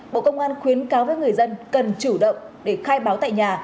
bộ công an khuyến cáo với người dân cần chủ động để khai báo tại nhà